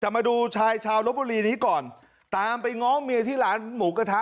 แต่มาดูชายชาวลบบุรีนี้ก่อนตามไปง้อเมียที่ร้านหมูกระทะ